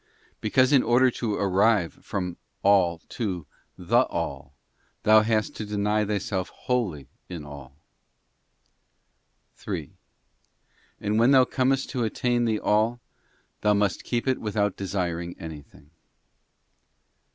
Because in order to arrive from all to the All, thou hast : to deny thyself wholly in all. 3. And when thou comest to attain the All, thou must keep it without desiring anything.